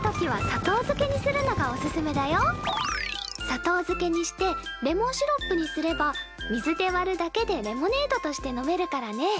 砂糖漬けにしてレモンシロップにすれば水で割るだけでレモネードとして飲めるからね。